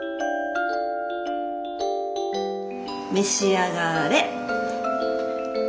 召し上がれ！